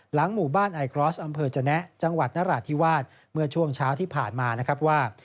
หลังหมู่บ้านไอเกราสอำเภอจนแนะจังหวัดนราธิวาสเมื่อช่วงเช้าที่ผ่านมา